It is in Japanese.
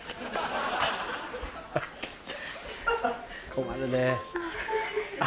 困るねぇ。